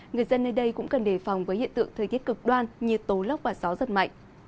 người dân nơi đây cũng cần đề phòng với hiện tượng thời tiết cực đoan như tố lốc và gió giật mạnh